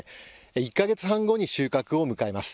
１か月半後に収穫を迎えます。